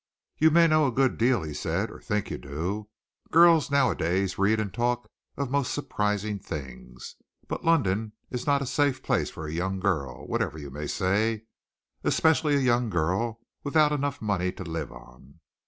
"You may know a good deal," he said, "or think you do, girls nowadays read and talk of most surprising things, but London is not a safe place for a young girl, whatever you may say, especially a young girl without enough money to live on."